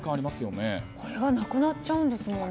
これがなくなっちゃうんですよね。